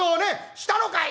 「したのかい？」。